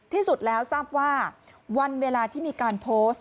ที่สุดแล้วทราบว่าวันเวลาที่มีการโพสต์